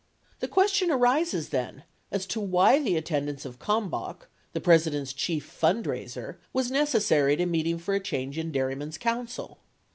The question arises, then, as to why the attendance of Kalmbach, the President's chief fundraiser, was necessary at a meeting for a change in dairymen's counsel.